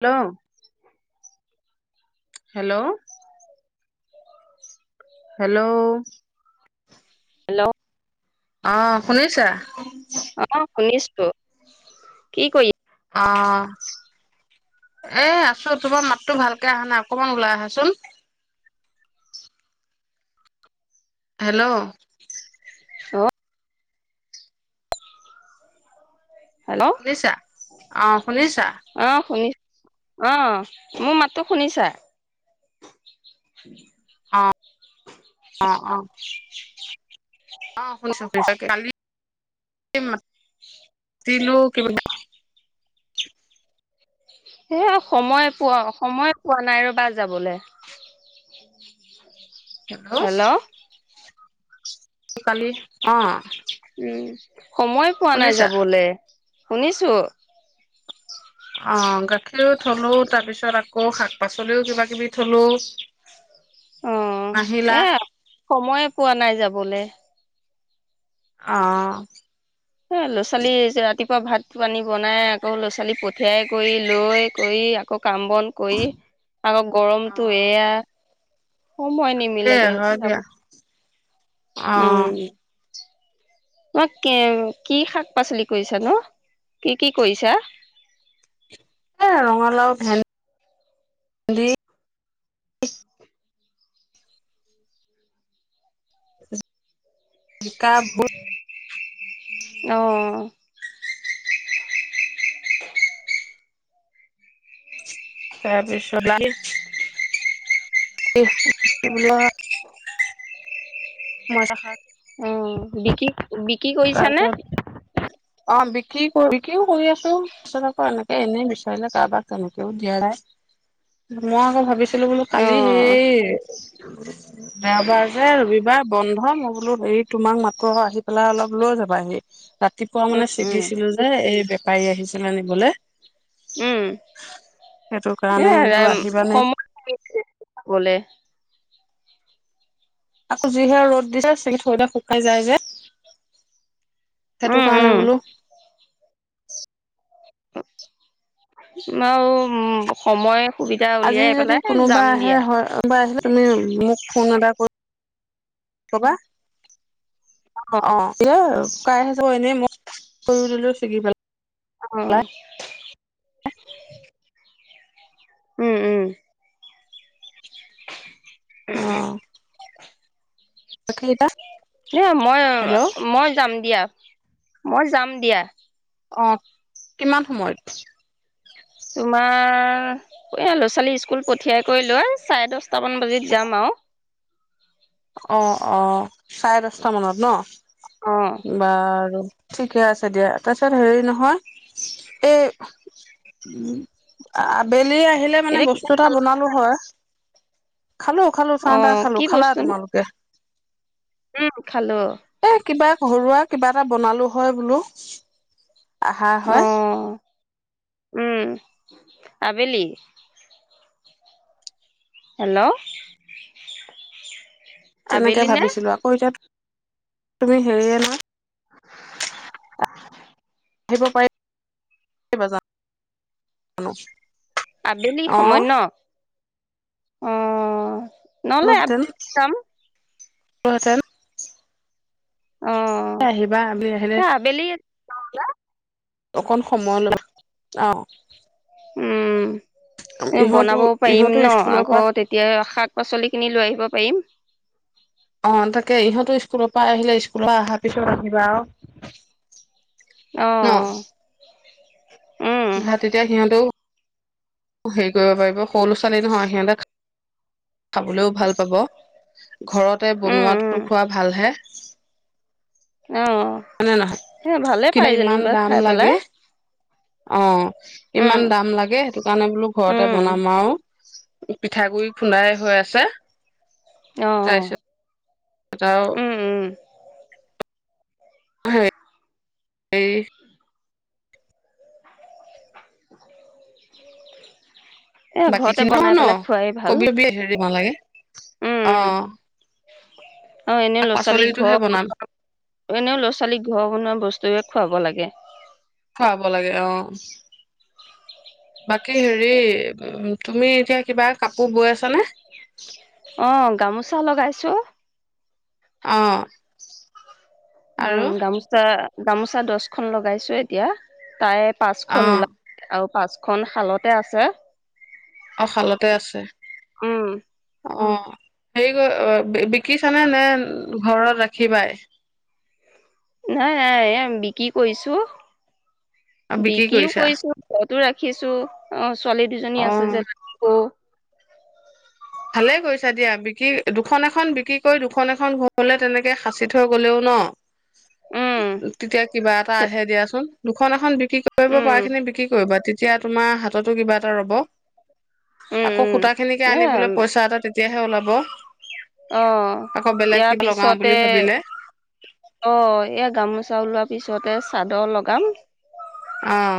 Hello hello hello hello অ' শুনিছা? শুনিছোঁ কি কৰি অ'। এ আছো তোমাৰ মাততো ভালকে অহা নাই অকমান ওলাই আহাচোন। হেল্ল' অ হেল্ল' শুনিছা অ শুনিছা অ শুনি অ মোৰ মাতটো শুনিছা [unintelligible] অ অ অ অ শুনিছোঁ শুনিছোঁ কালি ল দিলোঁ ৰবা সেই সময়ে পোৱা সময়ে পোৱা নাই ৰবা যাবলে হেল্ল' কালি অ উম সময় পোৱা নাই শুনিছা যাবলে শুনিছোঁ অ গাখীৰো থলোঁ তাৰপিছত আকৌ শাক পাচলিও কিবা কিবি থলোঁ অ এ সময়ে পোৱা নাই যাব বোলে আহ এ ল'ৰা ছোৱালী যে ৰাতিপুৱা ভাত পানী বনাই আকৌ ল'ৰা ছোৱালী পঠিয়াই কৰি লৈ কৰি আকৌ কাম বন কৰি আকৌ অ গৰমটো এয়া সময় সেয়ে নিমিলেগে হয় দিয়া অ মই কি কি শাক পাচলি কৰিছা নো কি কি কৰিছা এ ৰঙালাও ভেন্দ ভেন্দি জিকা ভুল অহ তাৰপিছত এইবিলাক মই তাষত কি কৰিছা নে তাৰপিছত অ বিকি কৰি বিক্ৰীও কৰি আছো তাৰাছত আকৌ এনেকে এনেই বিচাৰিলে কাৰোবাক তেনেকেও দিয়া নাই মই আকৌ ভাবিছো বোলো অ কালি সেই দেওবাৰ যে ৰবিবাৰ বন নহয় মই বোলো হেৰি তোমাক মাটো আহি পেলাই অলপ লৈ যাবা সি ৰাতিপুৱা মানে উম উম ছিগিছিলো যে এই তাই আহিছিলে নিবলে উম সেইটো এ কাৰণে বোলো আহিবানে সময় আকৌ যিহে ৰদ দি চাই চি ঘৰতে শুকাই যায় যে সেইটো উম কাৰণে উম বোলো [unintelligible] আৰু উ সময় সুবিধা আজি উলিয়াই যদি পেলাই কোনোবা যাম আহে দিয়া হয় বা আহিলে তুমি মোক ফোন এটা কৰিব কবা অ এয়া আৰু শুকাই আহিছোঁ এনেই মই কৰি দিলো ছিগি পেলাই অ উম উম অহ দে মই হেল্ল' মই যাম দিয়া মই যাম দিয়া অ কিমান সময়ত তোমাৰ এ ল'ৰা ছোৱালী স্কুল পঠিয়াই কৰি লোৱা চাৰে দহ চটামান বাজিত যাম আও অ অ চাৰে দহটা মানত অ ন বাঁৰু ঠিকে আছে দিয়া তাৰপিছত হেৰি নহয় এই আ-আবেলি আহিলে মানে এতিয়া কিবা বস্তু এটা খালা বনালো হয় খালো খালো অ চাহ তাহ খালো কি খালাত বস্তু উম খালো [unintelligible] এ কিবা ঘৰুৱা কিবা এটা বনালো হয় বোলো আহা অ হয় উম আবেলি হেল্ল' তেনেকে আবেলি নে ভাবিছিলো আকৌ এতিয়া তুমি হেৰিয়ে ন [unintelligible] আহিব পাৰিবা জানো আবেলি অ', সময় ন উম নহ'লে আাম জাম লো হেতেন। অ আহিবা আমি আহিলে। সেই আবেলি অকণ সময় লোৱা আহ। উ'ম ইহঁতো বনাবও পাৰিম ইহঁতো ন স্কুলৰ পৰা আগৰ তেতিয়া শাক পাচলি খিনি লৈ আহিব। পাৰিম। অ তাকে ইহঁতো স্কুলৰ পৰা আহিলে স্কুলৰ অহাৰ পিছত আহিবা আৰু আহ ভাত তেতিয়া সিহঁতেও- হেৰি কৰিব পাৰিব সৰু ল'ৰা ছোৱালী নহয় সিহঁতে খাবলৈও ভাল পাব। ঘৰতে উম উম বনোৱাটো খোৱা ভালহে। হয়নে নহয় অ ভালে কিন্তু পাই যেনী ইমান বাৰ দাম খাই লাগে পেলাই। অ উম ইমান দাম লাগে সেইটো কাৰণে বোলো ঘৰতে উম বনাম আৰু পিঠাগুৰি খুন্দাই হৈ আছে। অ', অ', তাৰপিছত আৰু উ'ম উ'ম হয়। [unintelligible] এ বাকী ঘৰতে খিনি ন বনাই ন পেলাই খোৱাই ভাল কবি হেৰি বনালাগে উ'ম অ উ আৰু এনে শাক ল'ৰা ছোৱালীক ঘৰ পাচলিটোহে বনাম বনোৱা এনেও ল'ৰা ছোৱালীক ঘৰ বনোৱা বস্তু। টোৱে খুৱাব লাগে। খুৱাব লাগে অ বাকী হেৰি তুমি এতিয়া কিবা কাপোৰ বৈ আছানে? অ গামোচা লগাইছো। আহ। উ'ম গামোছা গামোচা দচখন লগাইছো এতিয়া তাই- পাঁচখনন অ', ওলাই আৰু পাঁচ খন শালতে আছে। অ শালতে আছে। উ'ম অ হেৰি কৰি বিকিছানে নে ঘৰত ৰাখিবাই। নাই নাই বিক্ৰী কৰিছো। অ', বিক্ৰী বিত্ৰুী কৰিছা? কৰিছো। ৰাখিছো অ। ছোৱালী দুজনী আছে অ', যে ল। ভালে কৰিছা দিয়া বিত্ৰুী দুখন এখন বিক্ৰী কৰি দুখন এখন ঘৰলে তেনেকে সাঁচি থৈ গলেও ন। উম তেতিয়া কিবা এটা আহে দিয়াচোন। দুখন এখন দি। কি কৰিব উম পাৰা খিনি বিক্ৰী কৰিবা। এতিয়া তোমাৰ হাততো কিবা। ৰব উম আকৌ উম সুতা খিনিকে নে আনিবলৈ। তেতিয়াহে ওলাব। অ আকৌ বেলেগ ইয়াৰ কিবা লগাও বুলি পিছতে ভাবিলে অ এ গামোচা। চাউল লোৱাৰ পিছতে চাদৰ লগাম। অহ।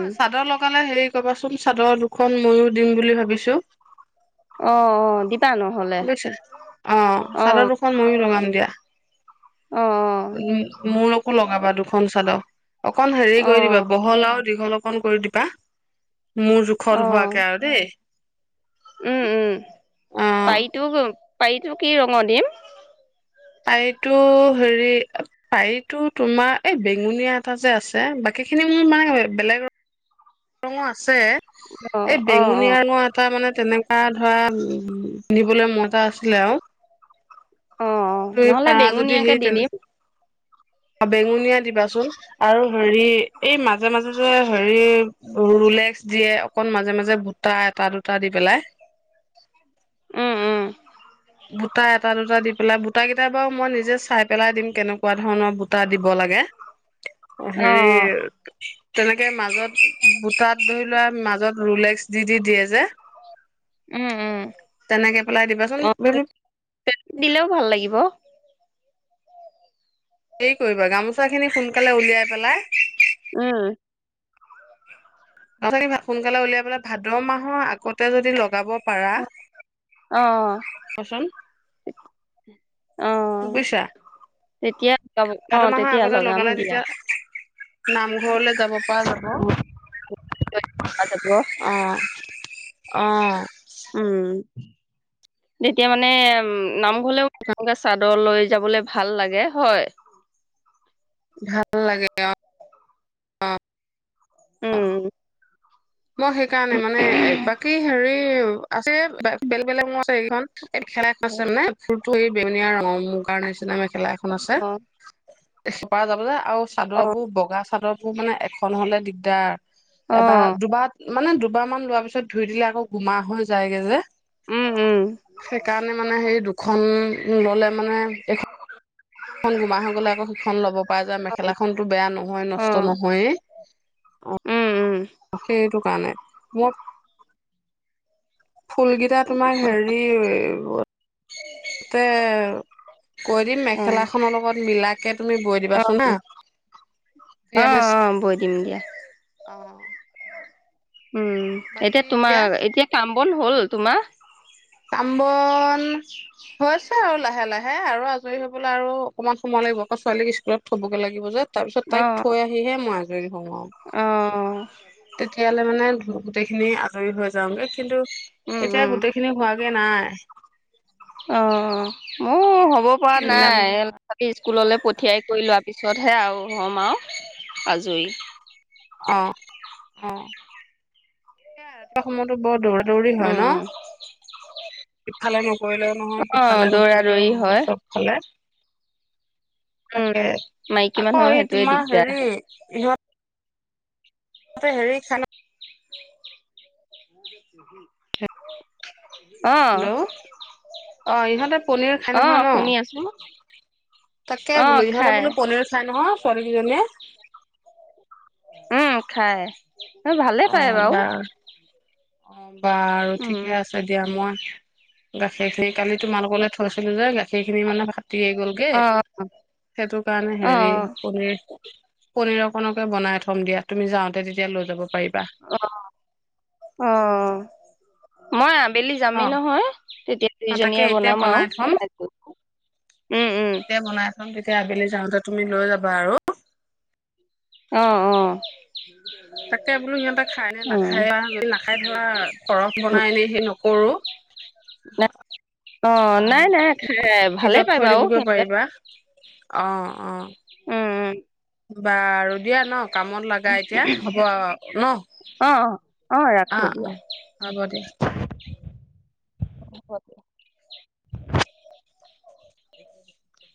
অ চাদৰ লগালে হেৰি। কবাচোন চাদৰ দুখন মইয়ো দিম বুলি ভাবিছো। অ', অ', দিপ। বুজিছা অ' চাদৰ দুখন ময়ো লগাম। দিয়া। অ উ মোৰ। আকো লগাবা দুখন চাদৰ। অকণ হেৰি কৰি দিবা অ বহল আৰু। দীঘল অকণ কৰি দিবা। মোৰ অ জোখৰ হোৱাকে আৰু দেই। উম উম অ পাই। তোক পাৰিটো কি ৰঙৰ দিম। পাৰি টো হেৰি পাৰিটো তোমাৰ এই বেঙুনীয়া এটা যে আছে বাকী খিনি মোৰ মানে বেলেগ ৰঙ আছে। অ এই অ অ বেঙুনীয়া ৰ এটা মানে তেনেকা ধৰা পিন্ধিবলৈ মোৰ এটা আছিলে আৰু। অ অ তুমি নহ'লে পাৰা যদি বেঙুনীয়াকে সেই দি দিম তেনে বেঙুনীয়া দিবাচোন আৰু। ধৰি এই মাছ। মাজে মাজে যে হেৰি। ৰুলেক্স দিয়ে অকণ মাজে মাজে বুটা এটা দুটা দি পেলাই। উম উম। বুটা এটা দুটা দি পেলাই বুটা কেইটা বাৰু মই নিজে চাই পেলাই দিম। কেনেকুৱা ধৰণৰ বুটা দিব লাগে। অ' হেৰি। তেনেকে মাজত বুটাত ধৰি লোৱা মাজত ৰুলেক্স দি দি দিয়ে যে। উম উম তেনেকে পেলাই দিবাচোন। [unintelligible] হেৰি দিলেও ভাল লাগিব। হেৰি কৰিবা গামোচা খিনি সোনকালে উলিয়াই পেলাই উম। ত সোনকালে উলিয়াবলে ভাদ মাহৰ আগতে যদি লগাব পাৰা। অ কচোন। [inaudible] অ' তেতিয়া লগ - অ ভাদ - মাহৰ তেতিয়া আগতে লগাম লগালে দিয়া। তেতিয়া নামঘৰলৈ যাব পৰা যাব। অ [unintelligible] অ'। উম। তেতিয়া মানে উম [unintelligible] [unintelligible] লৈ যাবলে ভাল লাগে হয় ভাল লাগে অ অ' উম। মই সেইকাৰণে মানে বাকি হেৰি আছে বেলেগ বেলেগ মোৰ [unintelligible] [unintelligible] ধুনীয়া ৰং মুগাৰ নিচিনা মেখেলা এখন আছে। অ [unintelligible] আৰু চাদৰ অ', বোৰ বগা চাদৰ মোৰ মানে এখন হলে দিগদাৰ। অ' বাত মানে দুবাৰ মান লোৱাৰ পিছত ধুই দিলে আকৌ গোমা হৈ যায়গে যে উম, উম, সেইকাৰণে মানে হে দু খন ল'লে মানে এইখন খন গোমা হৈ গ'লে আকৌ সিখন ল'ব পৰা যায় মেখেলাখনতো বেয়া নহয়। নষ্ট অ', নহয়েই। উম, উম, সেইটো কাৰণে। মোৰ ফুলকেইটা তোমাৰ হেৰি [unintelligible] [unintelligible] কৈ দিম মেখেলা অ', খনৰ লগত মিলাকে তুমি বৈ দিবাচোন হা অ', অ', অ', বৈ দিম দিয়া। অ' উম। এতিয়া তোমাৰ এতিয়া কাম অ কণ হ'ল তোমাৰ। কাম বন। হৈছে আৰু লাহে লাহে। হে আৰু আজৰি হবলৈ আৰু অকনমান সময় লাগিব আকৌ ছোৱালীক স্কুলত থ'বগৈ লাগিব যে। তাৰপিছত তাইক অ', থৈ আহিহে মই অ', তেতিয়াহ'লে মানে গোটেই খিনি হেৰী হৈ যাও কিন্তু উম, এতিয়া উম, গোটেই খিনি হোৱা সি নাই। অ মোৰ পৰা মিলাব অ নাই স্কুললৈ পঠিয়াই কৰি লোৱা পিছত। ওচৰতহে আৰু হ'ম আৰু আজৰি। অ অ এ সময়তো বৰ দৌৰ দৌৰি হয় ন উম, ইফালে নকৰিলেও নহয় অ', সিফালে দৌৰা নকৰিলেও দৌৰি নহয় হয়, চবফালে। উম, তাকে মাইকী আকৌ মানুহৰ এই সেইটোয়ে তোমাৰ দিগদাৰ। হেৰি ইহঁত। তাতে হেৰি খানা [unintelligible] হেল্ল' অ ইহঁতে পনীৰ খাই নহয় অ', শুনি আছো, ন তাকে অ', বোলো ইহঁতে খাই, বোলো পনীৰ খাই নহয় ছোৱালীকেইজনীয়ে। উ'ম খায়। এ ভালে অ পায় বাৰু। বা অ বাৰু ঠিকে উম, আছে দিয়া মই- গ সেইখিনিৰ কালি তোমালোকলৈ থৈছিলো যে গাখীৰখিনি মানে ফাটি আহ গলগে অ'। সেইটো কাৰণে অ হেৰি পনীৰ পনীৰক। কপনকে বনাই থম দিয়াুম যাওঁতে তেতিয়া লৈ। যাব পাৰিবা। অ', মই আম আবেলি যামেই নহয় তেতিয়া ন তাকে দুইজনীয়ে এতিয়া বনাম বনাই থম আৰু তেতিয়া বনাই থম তেতিয়া আবেলি যাওঁতে। তুমি লৈ যাবা আৰু আহ আহ তাকে বোলো সিহঁতে খাই নে নাখায় যদি নাখাই ধৰা সৰহ বনাই এনে সেই নকৰো অ নাই নাই খাই ভালে ফ্ৰিজত পাই থৈ বাৰু দিবগৈ সিহঁতে পাৰিবা। অ', অ', উম উম। বাৰু দিয়া ন কামত লাগা এতিয়া হ'ব ন। অ অ অ ৰাখো অ দিয়া হ'ব দে। [inaudible] [unintelligible] [unintelligible]